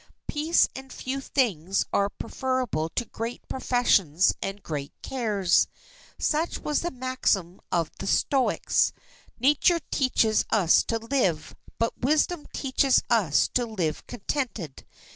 "Peace and few things are preferable to great professions and great cares." Such was the maxim of the Stoics. Nature teaches us to live, but wisdom teaches us to live contented.